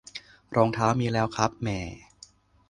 รองเท้ามีแล้วครับ แหม่